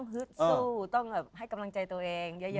เหือจ๊ะต้องให้กำลังใจตัวเองเยอะเยอะ